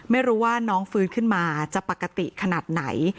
ไม่รู้ว่าน้องฟื้นขึ้นมาจะปกติขนาดไหน